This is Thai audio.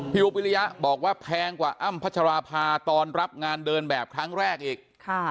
อุ๊บวิริยะบอกว่าแพงกว่าอ้ำพัชราภาตอนรับงานเดินแบบครั้งแรกอีก